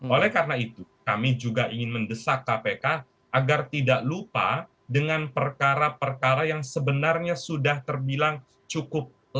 oleh karena itu kami juga ingin mendesak kpk agar tidak lupa dengan perkara perkara yang sebenarnya sudah terbilang cukup lama